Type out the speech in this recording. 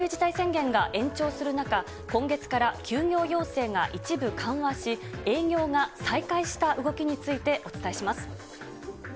まずは緊急事態宣言が延長する中、今月から休業要請が一部緩和し、営業が再開した動きについてお伝えします。